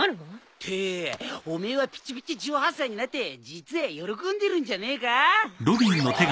ってお前はぴちぴち１８歳になって実は喜んでるんじゃねえか？